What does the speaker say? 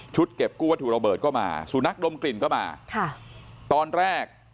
เก็บกู้วัตถุระเบิดก็มาสูนักดมกลิ่นก็มาค่ะตอนแรก